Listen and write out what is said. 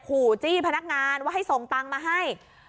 ขู่จี้พนักงานว่าให้ส่งตังค์มาให้